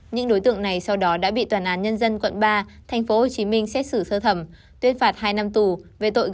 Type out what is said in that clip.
những đối tượng này sau đó đã bị toàn án nhân dân quận ba tp hcm xét xử sơ thẩm tuyên phạt hai năm tù về tội gây dối trật tự công cộng